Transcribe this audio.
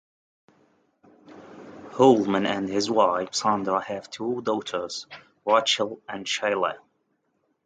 Holman and his wife Sandra have two daughters, Rachel and Shayla.